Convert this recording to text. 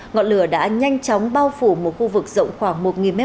ngọn lửa đã nhanh chóng bao phủ một khu vực rộng khoảng một m hai